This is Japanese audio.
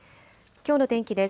きょうの天気です。